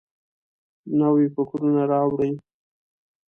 نوي فکرونه راوړئ.